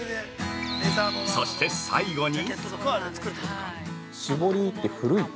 そして最後に？